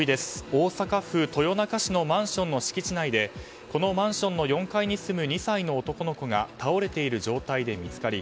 大阪府豊中市のマンションの敷地内でこのマンションの４階に住む２歳の男の子が倒れている状態で見つかり